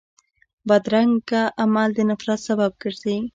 بدرنګه عمل د نفرت سبب ګرځي